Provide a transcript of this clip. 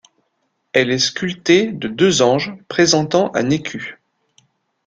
Elle est sculptée de deux anges présentant un écu.